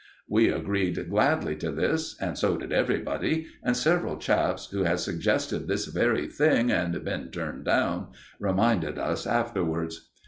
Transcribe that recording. '" We agreed gladly to this, and so did everybody, and several chaps, who had suggested this very thing and been turned down, reminded us afterwards.